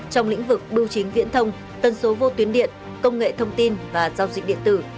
trong lĩnh vực bưu chính viễn thông tân số vô tuyến điện công nghệ thông tin và giao dịch điện tử